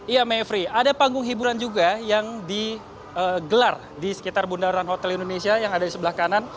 iya mayfrey ada panggung hiburan juga yang digelar di sekitar bundaran hotel indonesia yang ada di sebelah kanan